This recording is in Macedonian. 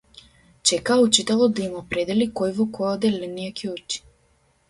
Чекаа учителот да им определи кој во кое одделение ќе учи.